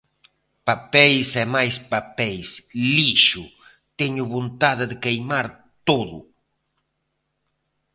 Papeis e máis papeis, lixo, teño vontade que queimar todo!